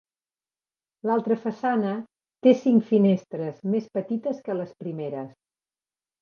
L'altra façana té cinc finestres més petites que les primeres.